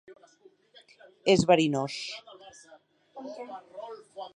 És verinós.